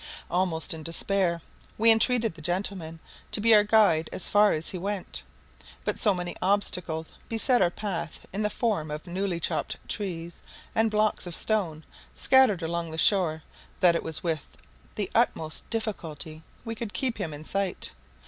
Almost in despair, we entreated the gentleman to be our guide as far as he went. But so many obstacles beset our path in the form of newly chopped trees and blocks of stone, scattered along the shore, that it was with the utmost difficulty we could keep him in sight.